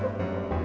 jangan ke coach